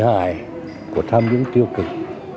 thứ hai của tham nhũng tiêu cực